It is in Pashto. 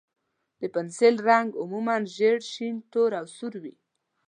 د پنسل رنګ عموماً ژېړ، شین، تور، یا سور وي.